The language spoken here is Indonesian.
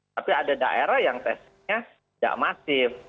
tapi ada daerah yang testingnya tidak masif